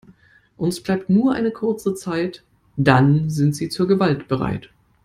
Uns bleibt nur eine kurze Zeit, dann sind sie zur Gewalt bereit.